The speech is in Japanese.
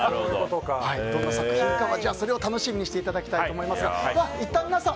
どんな作品かはそれを楽しみにしていただきたいと思いますがいったん皆さん